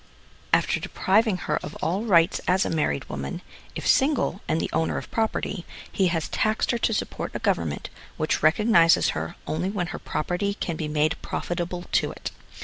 After depriving her of all rights as a married woman, if single, and the owner of property, he has taxed her to support a government which rec ognizes her only when her property can be made profitable to it.